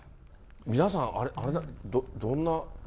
皆さん、どんな。